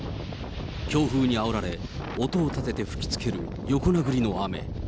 強風にあおられ、音を立ててふきつける横殴りの雨。